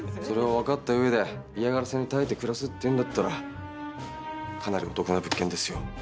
それを分かったうえで嫌がらせに耐えて暮らすっていうんだったらかなりお得な物件ですよ。